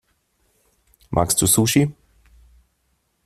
Magst du Sushi?